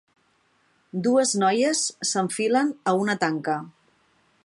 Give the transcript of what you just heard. Dues noies s'enfilen a una tanca.